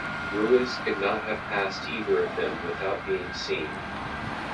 Ruiz could not have passed either of them without being seen.